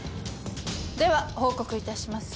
では報告致します。